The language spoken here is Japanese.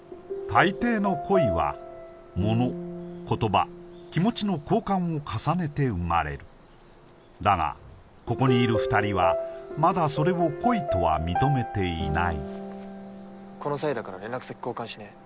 大抵の恋は物言葉気持ちの交換を重ねて生まれるだがここにいる２人はまだそれを恋とは認めていないこの際だから連絡先交換しねえ？